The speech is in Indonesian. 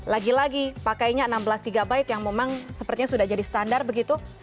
lagi lagi pakainya enam belas gb yang memang sepertinya sudah jadi standar begitu